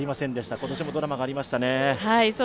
今年もドラマがありましたね。